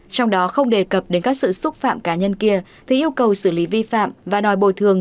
trong đó không đề cập đến các sự xúc phạm cá nhân kia thì yêu cầu xử lý vi phạm và đòi bồi thường